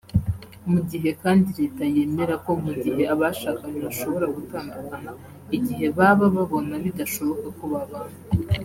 Mu gihe kandi leta yemera ko mu gihe abashakanye bashobora gutandukana igihe baba babona bidashoboka ko babana